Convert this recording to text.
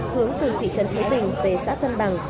hướng từ thị trấn thế bình về xã tân bằng